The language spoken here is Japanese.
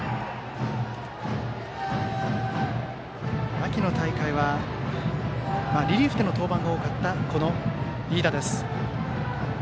秋の大会はリリーフでの登板が多かった飯田。